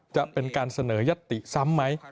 จะเป็นการเสนอยัตติซ้ำไหม